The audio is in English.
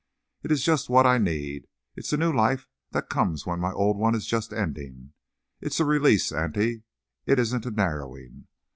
It's just what I need. It's a new life that comes when my old one is just ending. It's a release, auntie; it isn't a narrowing.